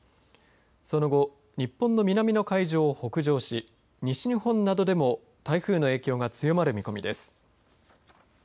その後、日本の南の海上を北上し西日本などでも台風の影響が強まる見込みです。